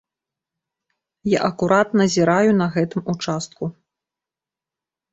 Я акурат назіраю на гэтым участку.